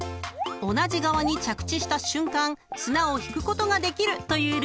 ［同じ側に着地した瞬間綱を引くことができるというルールです］